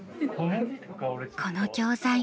この教材